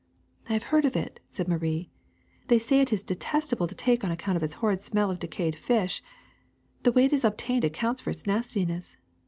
'''^ I have heard of it, '' said Marie. ^^ They say it is detestable to take on account of its horrid smell of decayed fish. The way it is obtained accounts for its nastiness.